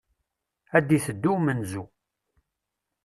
Ad d-iteddu umenzu.